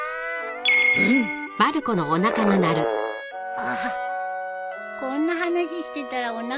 あっこんな話してたらおなかすいてきたよ。